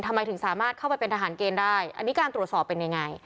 ทำไมถึงสามารถเข้าไปเป็นทหารเกณฑ์ได้อันนี้การตรวจสอบเป็นยังไง